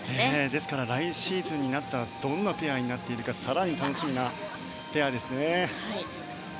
ですから来シーズンになったらどんなペアになっているのか更に楽しみなペアですね。